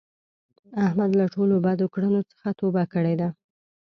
احمد له ټولو بدو کړونو څخه توبه کړې ده.